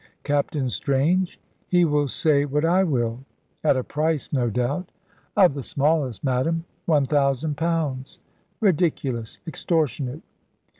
"Captain Strange? He will say what I will." "At a price, no doubt." "Of the smallest, madame. One thousand pounds." "Ridiculous! Extortionate!"